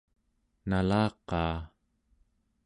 nalaqaa